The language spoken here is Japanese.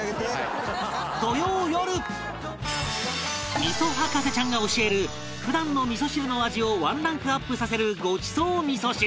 味噌博士ちゃんが教える普段の味噌汁の味をワンランクアップさせるごちそう味噌汁